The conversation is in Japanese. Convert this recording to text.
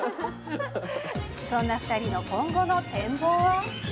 そんな２人の今後の展望は？